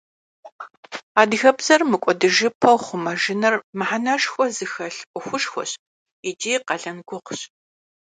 Адыгэбзэр мыкӀуэдыжыпэу хъумэжыныр мыхьэнэшхуэ зыхэлъ Ӏуэхугъуэщ икӀи къалэн гугъущ.